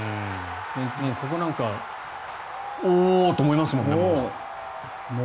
ここなんかおーっと思いますもんね。